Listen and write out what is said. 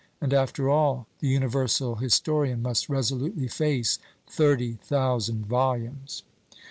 And, after all, the universal historian must resolutely face thirty thousand volumes!